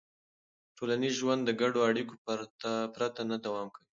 ټولنیز ژوند د ګډو اړیکو پرته نه دوام کوي.